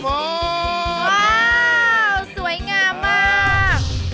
ว้าวสวยงามมาก